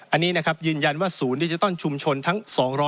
อันนี้นะครับยืนยันว่าศูนย์ดิจิตอลชุมชนทั้ง๒๐๐